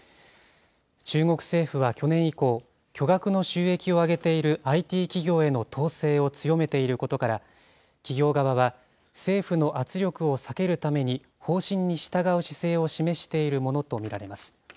中国政府は去年以降、巨額の収益を上げているＩＴ企業への統制を強めていることから、企業側は、政府の圧力を避けるために方針に従う姿勢を示しているものと見られます。